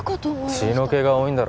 血の気が多いんだろ